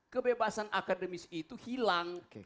kebebasan akademis itu hilang